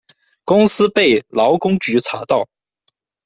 公司被劳工局查到